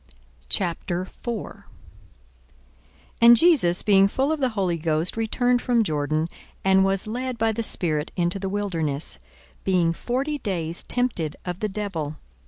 42:004:001 And Jesus being full of the Holy Ghost returned from Jordan, and was led by the Spirit into the wilderness, 42:004:002 Being forty days tempted of the devil.